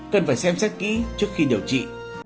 cần phải xem xét kỹ trước khi điều trị